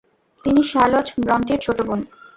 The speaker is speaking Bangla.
তিনি শার্লট ব্রন্টির ছোটো বোন।